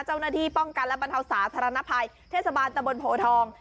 เจ้าหน้าที่ป้องกันและบรรเทาสาธารณภัยเทศบาลตะบนโพทอง